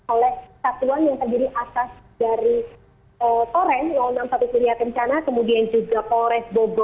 oleh satuan yang terdiri atas dari toren enam puluh satu surya kencana kemudian juga polres bogor